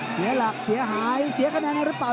เสียหลักเสียหายเสียคะแนนหรือเปล่า